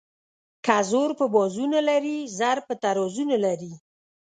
ـ که زور په بازو نه لري زر په ترازو نه لري.